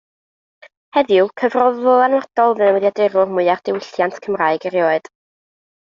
Heddiw, cyfrol ddylanwadol newyddiadurwr mwya'r diwylliant Cymraeg erioed.